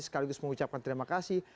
sekaligus mengucapkan terima kasih